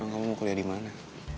kamu mau kuliah di mana